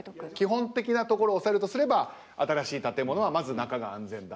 基本的なところを押さえるとすれば新しい建物はまず中が安全だと。